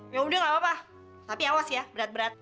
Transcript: ya udah gak apa apa tapi awas ya berat berat